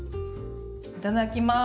いただきます。